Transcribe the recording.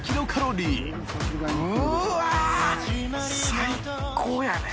最高やね。